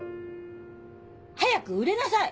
早く売れなさい！